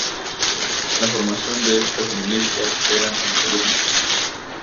La formación de estas milicias era en columnas.